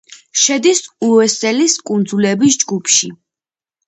შედის უესელის კუნძულების ჯგუფში.